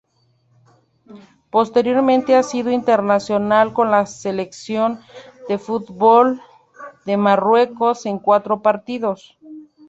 Posteriormente ha sido internacional con la selección de fútbol de Marruecos en cuatro partidos.